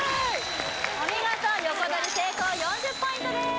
お見事横取り成功４０ポイントです